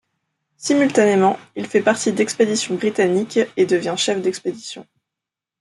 Simultanément il fait partie d'expéditions britanniques et devient chef d'expédition.